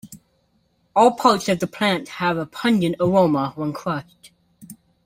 All parts of the plant have a pungent aroma when crushed.